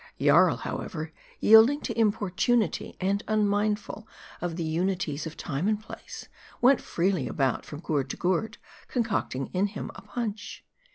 Jarl, however, yielding to importunity, and unmindful of the unities of time and place, went freely about, from gourd to gourd, concocting in him a punch.